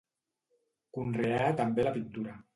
Conreà també la pintura.